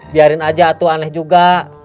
biarin aja tuh aneh juga